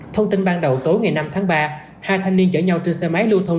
thông tin ban đầu tối ngày năm tháng ba hai thanh niên chở nhau trên xe máy lưu thông